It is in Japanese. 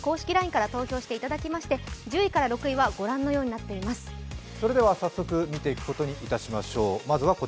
ＬＩＮＥから投票していただきまして、１０位から６位まではそれでは早速見ていきます。